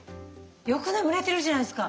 よく眠れてるじゃないですか。